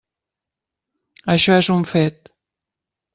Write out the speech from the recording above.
Això és un fet.